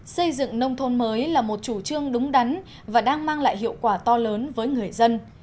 xây dựng nông thôn mới là một chủ trương đúng đắn và đang mang lại hiệu quả to lớn với người dân